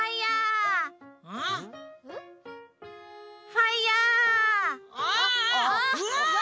ファイヤー！